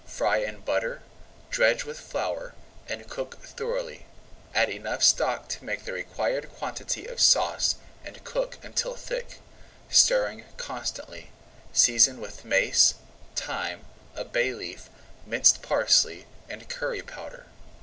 Fry in butter, dredge with flour, and cook thoroughly. Add enough stock to make the required quantity of sauce, and cook until thick, stirring constantly, Season with mace, thyme, a bay leaf, minced parsley, and curry powder.